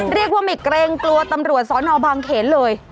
เรียกว่าไม่เกรงกลัวตำรวจสอนอบางเขนเลย